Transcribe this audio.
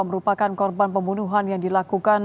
merupakan korban pembunuhan yang dilakukan